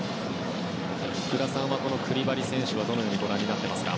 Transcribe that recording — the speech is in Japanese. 福田さんはクリバリ選手はどのようにご覧になってますか。